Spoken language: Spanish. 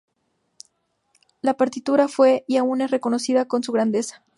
La partitura fue y aún es reconocida por su grandeza.